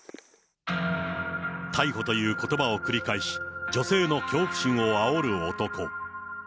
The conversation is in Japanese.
逮捕ということばを繰り返し、女性の恐怖心をあおる男。